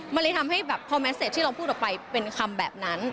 มันเลยทำให้แบบพอแมสเซตที่เราพูดออกไปเป็นคำแบบนั้น